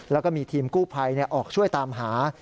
แล้วก็มีทีมกู้ภัยออกช่วยตามหา